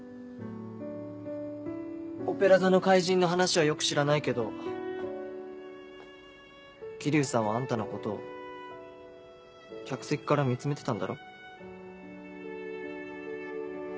『オペラ座の怪人』の話はよく知らないけど霧生さんはあんたのことを客席から見つめてたんだろ？